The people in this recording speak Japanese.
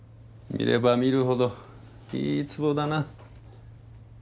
見れば見るほどいい壺だな。